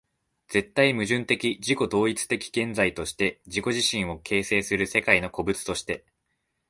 絶対矛盾的自己同一的現在として自己自身を形成する世界の個物として、